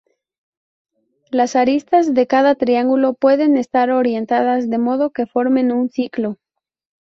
Las aristas de cada triangulo pueden estar orientadas de modo que formen un ciclo.